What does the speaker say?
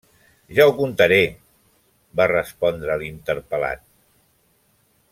-Ja ho contaré- va respondre l'interpel·lat.